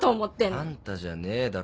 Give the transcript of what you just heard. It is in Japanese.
「あんた」じゃねえだろ。